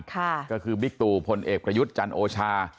ก็คือบิ๊กตู่พลเอกประยุทธ์จันโอชา